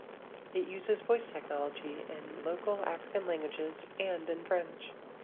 It uses voice technology in local African languages and in French.